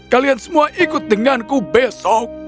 kalian semua ikut denganku besok